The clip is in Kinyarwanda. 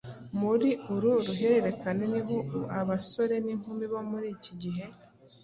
Muri uru ruhererekane ni ho abasore n’inkumi bo muri iki gihe